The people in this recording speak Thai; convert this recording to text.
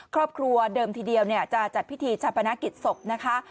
ครอบครัวเดิมทีเดียวเนี่ยจะจัดพิถีชาวพนาคิดศพนะคะ